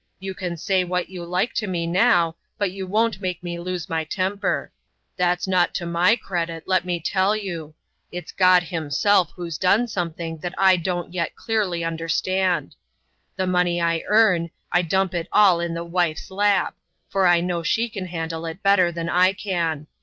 You can say what you like to me now but you won't make me lose my temper. That's not to my credit, let me tell you! It's God Himself who's done something that I don't yet clearly understand. The money I earn, I dump it all in the wife's lap, for I know she can handle it better than I can!